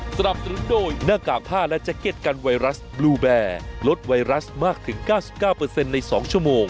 สำหรับสรุปโดยหน้ากากผ้าและเจ็ดเก็ตกันไวรัสบลูแบร์ลดไวรัสมากถึง๙๙เปอร์เซ็นต์ใน๒ชั่วโมง